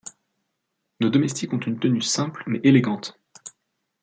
Nos domestiques ont une tenue simple, mais élégante.